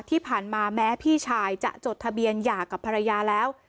ที่ผ่านมาแม้พี่ชายจะจดทะเบียนหย่ากับภรรยาแล้ว